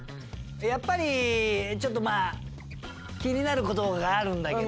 やっぱりちょっとまぁ気になることがあるんだけど。